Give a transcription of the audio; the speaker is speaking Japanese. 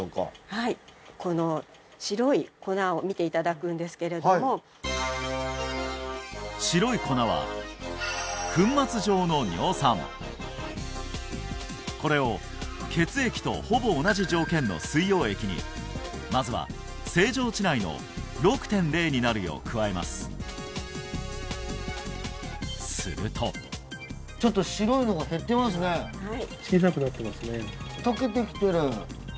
はいこの白い粉を見ていただくんですけれども白い粉はこれを血液とほぼ同じ条件の水溶液にまずは正常値内の６．０になるよう加えますするとちょっと・小さくなってますね